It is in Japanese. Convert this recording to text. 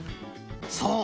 そう！